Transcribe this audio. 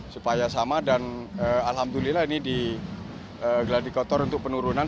supaya sama dan alhamdulillah ini di geladi kotor untuk penurunan